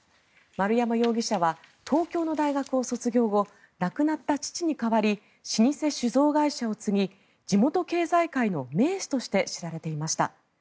丸山容疑者は東京の大学を卒業後亡くなった父に代わり老舗酒造会社を継ぎ地元経済界の名士として知られていました。